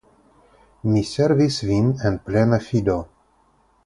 Mi servis vin en plena fido.